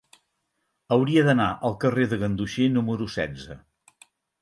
Hauria d'anar al carrer de Ganduxer número setze.